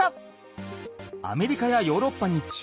アメリカやヨーロッパに中南米。